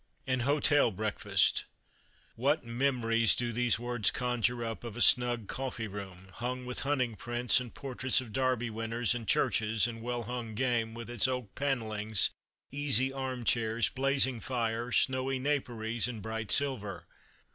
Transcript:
An Hotel Breakfast. What memories do these words conjure up of a snug coffee room, hung with hunting prints, and portraits of Derby winners, and churches, and well hung game; with its oak panellings, easy arm chairs, blazing fire, snowy naperies, and bright silver.